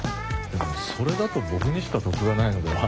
でもそれだと僕にしか得がないのでは？